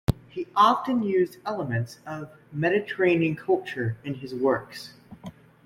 He often used elements of Mediterranean culture in his works.